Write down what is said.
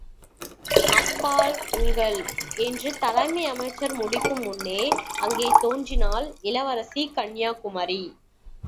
அப்பால் உங்கள்... என்று தலைமை அமைச்சர் முடிக்குமுன்னே, அங்கே தோன்றினான் இளவரசி கன்யாகுமரி!